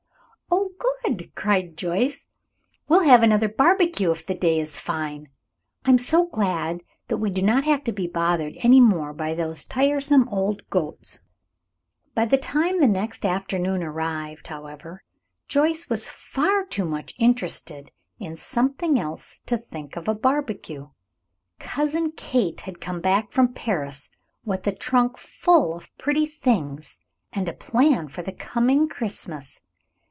"Oh, good!" cried Joyce. "We'll have another barbecue if the day is fine. I am so glad that we do not have to be bothered any more by those tiresome old goats." By the time the next afternoon arrived, however, Joyce was far too much interested in something else to think of a barbecue. Cousin Kate had come back from Paris with a trunk full of pretty things, and a plan for the coming Christmas.